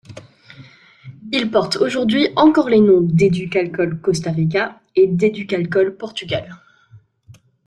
Ils portent aujourd'hui encore les noms d'Educalcohol Costa Rica et d'Éduc'alcool Portugal.